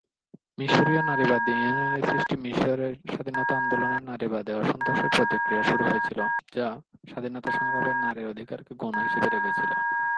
মিশরীয় নারীবাদী ইউনিয়নের সৃষ্টি মিশরের স্বাধীনতা আন্দোলনের নারীবাদী অসন্তোষের প্রতিক্রিয়ায় শুরু হয়েছিল, যা স্বাধীনতা সংগ্রামে নারীর অধিকারকে গৌণ হিসেবে রেখেছিল।